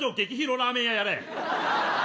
激広ラーメン屋やれ。